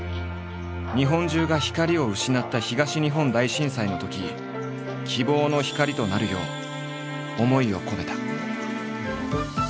日本中が光を失った東日本大震災のとき希望の光となるよう思いを込めた。